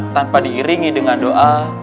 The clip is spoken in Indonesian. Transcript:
tanpa diiringi dengan doa